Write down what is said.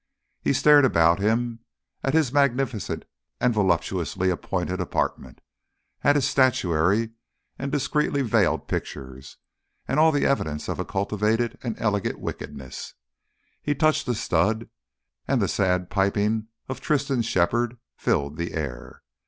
He stared about him, at his magnificent and voluptuously appointed apartment, at his statuary and discreetly veiled pictures, and all the evidences of a cultivated and elegant wickedness; he touched a stud and the sad pipings of Tristan's shepherd filled the air.